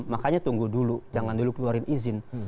makanya tunggu dulu jangan dulu keluarin izin